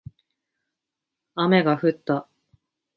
雨が降った